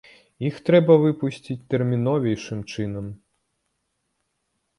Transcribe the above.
Іх трэба выпусціць тэрміновейшым чынам.